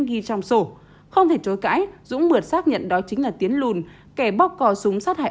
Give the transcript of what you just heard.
ghi trong sổ không thể chối cãi dũng mượn xác nhận đó chính là tiến lùn kẻ bóc cò súng sát hại